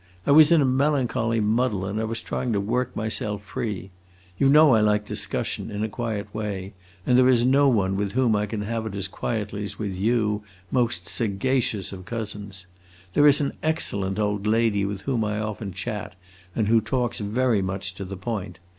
I was in a melancholy muddle, and I was trying to work myself free. You know I like discussion, in a quiet way, and there is no one with whom I can have it as quietly as with you, most sagacious of cousins! There is an excellent old lady with whom I often chat, and who talks very much to the point.